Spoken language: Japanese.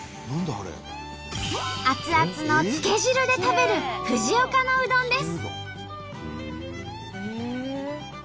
熱々のつけ汁で食べる藤岡のうどんです。